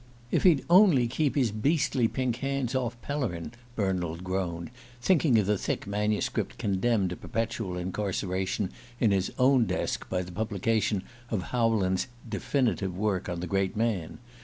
"If he'd only keep his beastly pink hands off Pellerin," Bernald groaned, thinking of the thick manuscript condemned to perpetual incarceration in his own desk by the publication of Howland's "definitive" work on the great man.